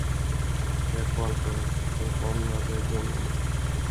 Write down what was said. Herr Walter omfamnade honom.